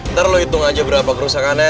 ntar lo hitung aja berapa kerusakan nya